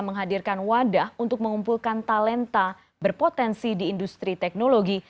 menghadirkan wadah untuk mengumpulkan talenta berpotensi di industri teknologi